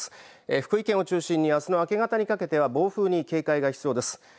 福井県を中心にあすの明け方にかけては暴風に警戒が必要です。